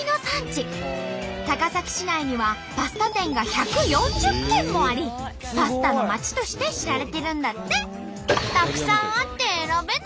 高崎市内にはパスタ店が１４０軒もあり「パスタのまち」として知られてるんだって。